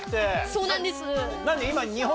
そうなんです。